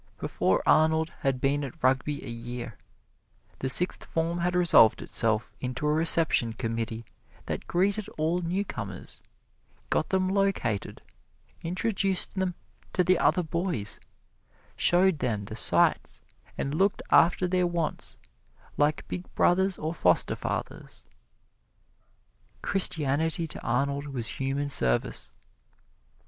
Before Arnold had been at Rugby a year, the Sixth Form had resolved itself into a Reception Committee that greeted all newcomers, got them located, introduced them to the other boys, showed them the sights, and looked after their wants like big brothers or foster fathers. Christianity to Arnold was human service.